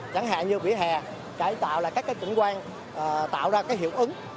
chẳng hạn như vỉa hè cải tạo các trận quan tạo ra hiệu ứng